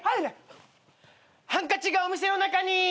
ハンカチがお店の中に。